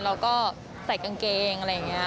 เราก็ใส่กางเกงอะไรอย่างนี้